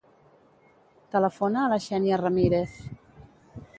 Telefona a la Xènia Ramirez.